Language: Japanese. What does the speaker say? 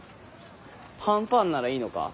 パンパンならいいのか？